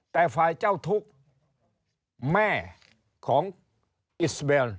แต่ฝ่ายเจ้าทุกข์แม่ของอิสเบล